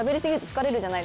疲れる。